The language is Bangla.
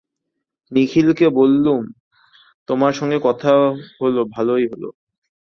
নিখিলকে বললুম, তোমার সঙ্গে কথা হল ভালোই হল।